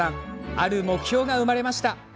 ある目標が生まれました。